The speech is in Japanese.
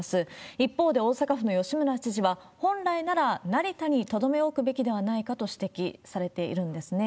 一方で大阪府の吉村知事は、本来なら成田にとどめおくべきではないかと指摘されているんですね。